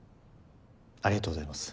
ありがとうございます。